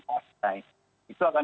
partai itu akan